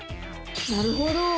なるほど！